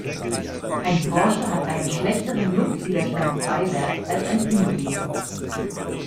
Ein Porsche hat einen schlechteren Luftwiderstandsbeiwert als ein Pinguin.